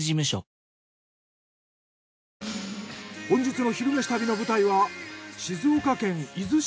本日の「昼めし旅」の舞台は。